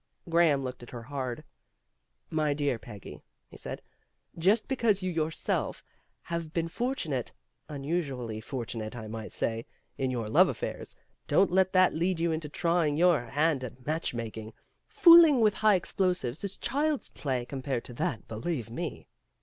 Graham looked at her hard. "My dear Peggy," he said, "Just because you yourself have been fortunate unusually fortunate I might say in your love affairs, don't let that lead you into trying your hand at matchmaking. Fooling with high explosives is child's play compared to that, believe me."